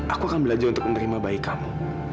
aku akan belajar untuk menerima bayi kamu